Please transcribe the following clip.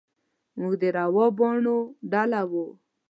موږ د ورا باڼو ډله وو.